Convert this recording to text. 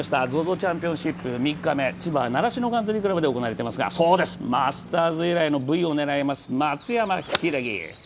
チャンピオンシップ、千葉・習志野カントリークラブで行われていますが、マスターズ以来のＶを狙います、松山英樹。